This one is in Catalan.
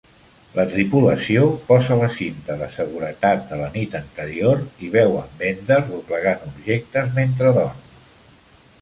La tripulació posa la cinta de seguretat de la nit anterior i veuen Bender doblegant objectes mentre dorm.